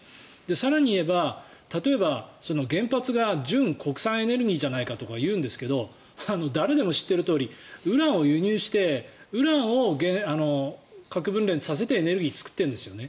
更に言えば、例えば原発が純国産エネルギーじゃないかとかいうんですが誰でも知っているとおりウランを輸入してウランを核分裂させてエネルギーを作ってるんですね。